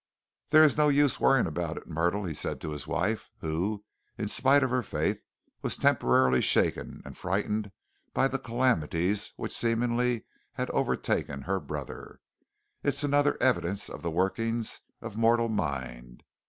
"There is no use worrying about it, Myrtle," he said to his wife, who, in spite of her faith, was temporarily shaken and frightened by the calamities which seemingly had overtaken her brother. "It's another evidence of the workings of mortal mind.